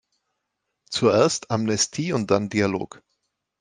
Zuerst Amnestie und dann Dialog.